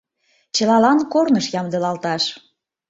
Чылалан корныш ямдылалташ!